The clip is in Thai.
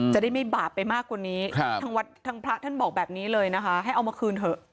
จะได้ไม่บาปไปมากกว่านี้ทางวัดทางพระท่านบอกแบบนี้เลยนะคะให้เอามาคืนเถอะ